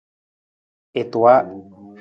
I tuwa.